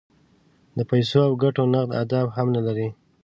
د پیسو او ګټو نغد اهداف هم نه لري.